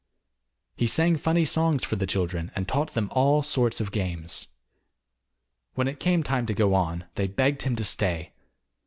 He sang funny songs for the children, and taught them all sorts of games. When it came time to go on, they begged him to stay.